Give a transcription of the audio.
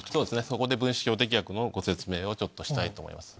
そこで分子標的薬のご説明をちょっとしたいと思います。